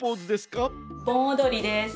ぼんおどりです。